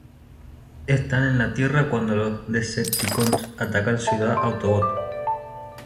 Están en la Tierra cuando los Decepticons atacan Ciudad Autobot.